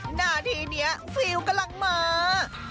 หน้าที่นี้ฟิล์มกำลังมา